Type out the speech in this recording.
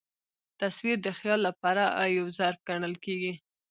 تصویر د خیال له پاره یو ظرف ګڼل کېږي.